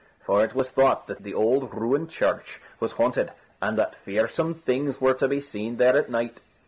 For it was thought that the old ruined church was haunted, and that fearsome things were to be seen there at night.